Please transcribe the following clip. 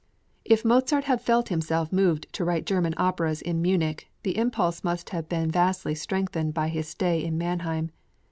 If Mozart had felt himself moved to write German operas in Munich, the impulse must have been vastly strengthened by his stay in Mannheim.